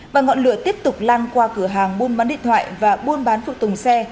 và ngọn lửa tiếp tục lan qua cửa hàng buôn bán điện thoại và buôn bán phụ tùng xe